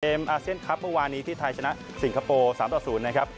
เกมอาเซียนคลับเมื่อวานนี้ที่ไทยชนะสิงคโปร์๓๐